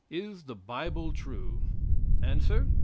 Is the Bible true? Answer.